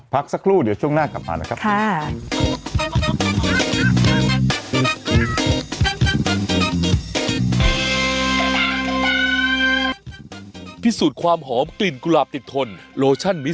พักสักครู่เดี๋ยวช่วงหน้ากลับมานะครับ